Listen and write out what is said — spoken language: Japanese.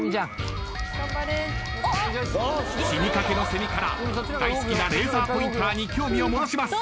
死にかけのセミから大好きなレーザーポインターに興味を持ちます。